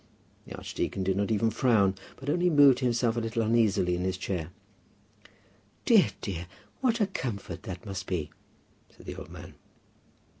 The archdeacon did not even frown, but only moved himself a little uneasily in his chair. "Dear, dear! What a comfort that must be," said the old man.